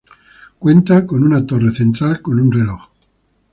Cuenta con una torre central con un reloj.